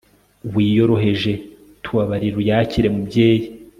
wiyoroheje. tubabarire uyakire mubyeyi